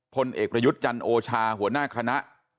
พลเอกประยุทธ์จันโอชาหัวหน้าคณะ